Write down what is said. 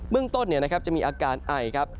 เรื่องต้นจะมีอาการไอครับ